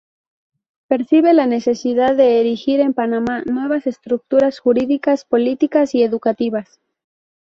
Percibe la necesidad de erigir en Panamá, nuevas estructuras jurídicas, políticas y educativas.